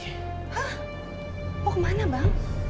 hah mau kemana bang